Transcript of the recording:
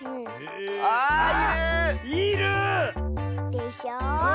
でしょ。